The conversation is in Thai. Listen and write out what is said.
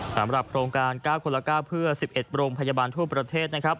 สำหรับโครงการ๙คนละ๙เพื่อ๑๑โรงพยาบาลทั่วประเทศนะครับ